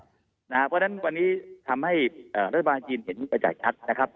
เพราะฉะนั้นวันนี้ทำให้รัฐบาลจีนเห็นกระจ่างชัดนะครับ